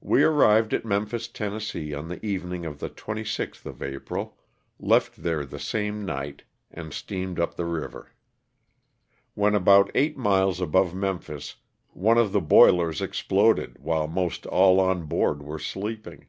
We arrived at Memphis, Tenn., on the evening of the 26th of April, left there the same night and steamed up the river. When about eight miles above Memphis one of the boilers exploded while most all on board were sleeping.